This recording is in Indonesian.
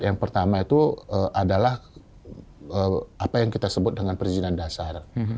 yang pertama itu adalah apa yang kita sebut dengan perizinan dasar